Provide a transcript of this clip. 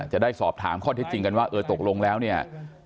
จะได้สอบถามข้อเท็จจริงกันว่าเออตกลงแล้วเนี่ย